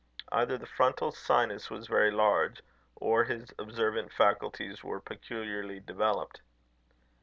Either the frontal sinus was very large, or his observant faculties were peculiarly developed.